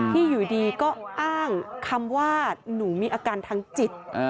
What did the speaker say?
อยู่ดีก็อ้างคำว่าหนูมีอาการทางจิต